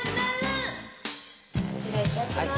失礼いたします。